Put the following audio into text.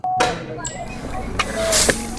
তিনি দুই মেয়ে, এক ছেলের জনক।